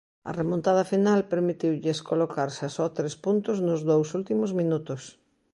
A remontada final permitiulles colocarse a só tres puntos nos dous últimos minutos.